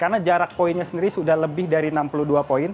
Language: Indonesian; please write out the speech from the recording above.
karena jarak poinnya sendiri sudah lebih dari enam puluh dua poin